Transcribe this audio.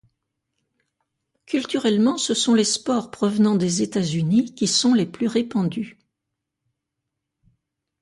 Culturellement, ce sont les sports provenant des États-Unis qui sont les plus répandus.